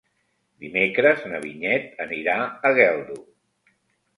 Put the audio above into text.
Dimecres na Vinyet anirà a Geldo.